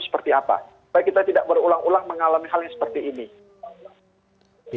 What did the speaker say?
seperti apa supaya kita tidak berulang ulang mengalami hal yang seperti ini